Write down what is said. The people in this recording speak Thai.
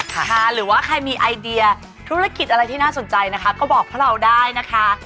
หรือว่าใครมีไอเดียธุรกิจอะไรที่น่าสนใจนะคะก็บอกพวกเราได้นะคะ